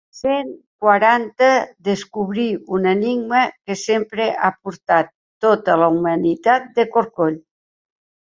Cent quaranta descobrir un enigma que sempre ha portat tota la humanitat de corcoll.